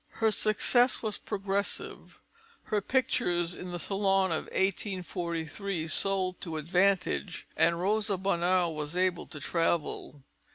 Her success was progressive. Her pictures in the Salon of 1843 sold to advantage and Rosa Bonheur was able to travel.